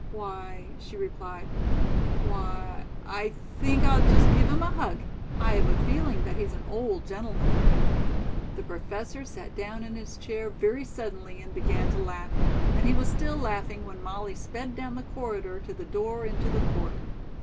"Why," she replied, "why, I think I'll just give him a hug. I have a feeling that he's an old gentleman." The Professor sat down in his chair very suddenly and began to laugh, and he was still laughing when Molly sped down the corridor to the door into the court.